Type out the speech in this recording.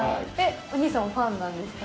お兄さんもファンなんですか？